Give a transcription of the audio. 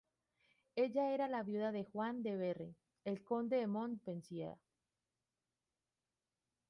Ella era la viuda de Juan de Berry, el conde de Montpensier.